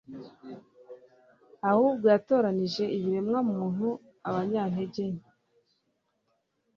ahubwo yatoranije ibiremwa muntu abanyantege nke